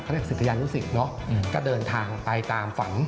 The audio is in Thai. เรียกศิษยานุสิตเนอะก็เดินทางไปตามฝัน